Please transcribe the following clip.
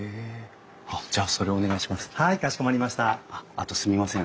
あとすみません。